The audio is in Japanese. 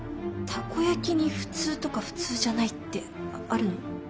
たこやきに普通とか普通じゃないってあるの？